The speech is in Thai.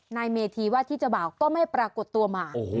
นายเมธีว่าที่เจ้าบ่าวก็ไม่ปรากฏตัวมา